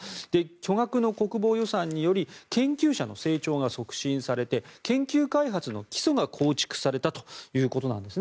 巨額の国防予算により研究者の成長が促進されて研究開発の基礎が構築されたということです。